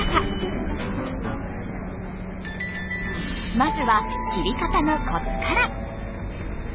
まずは切り方のコツから。